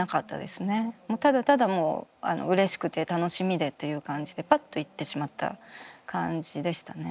ただただもううれしくて楽しみでっていう感じでパッと行ってしまった感じでしたね。